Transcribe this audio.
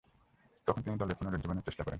তখন তিনি দলের পুনরুজ্জীবনের চেষ্টা করেন।